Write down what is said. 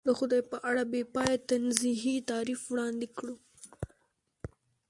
د خدای په اړه بې پایه تنزیهي تعریف وړاندې کړو.